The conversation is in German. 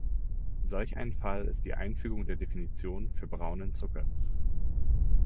Solch ein Fall ist die Einfügung der Definition für braunen Zucker.